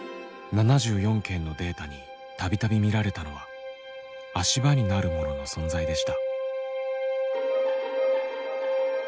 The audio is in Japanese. ７４件のデータに度々見られたのは足場になるものの存在でした。